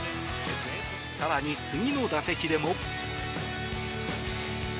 更に次の打席でも。